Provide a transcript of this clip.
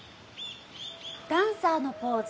ダンサーのポーズ。